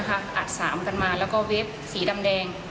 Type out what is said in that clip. อัดสามกันมาแล้วก็เว็บสีดำแดง